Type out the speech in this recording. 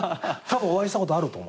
たぶんお会いしたことあると。